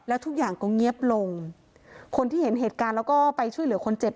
แล้วทุกอย่างก็เงียบลงคนที่เห็นเหตุการณ์แล้วก็ไปช่วยเหลือคนเจ็บ